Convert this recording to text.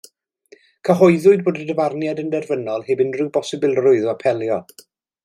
Cyhoeddwyd bod y dyfarniad yn derfynol heb unrhyw bosibilrwydd o apelio.